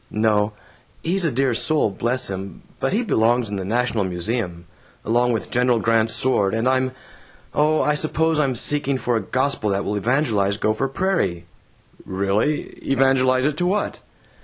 "No. He's a dear soul, bless him, but he belongs in the National Museum, along with General Grant's sword, and I'm Oh, I suppose I'm seeking for a gospel that will evangelize Gopher Prairie." "Really? Evangelize it to what?"